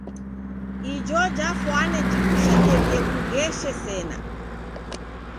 Ijo jafwane jikushekerie kugheshe sena.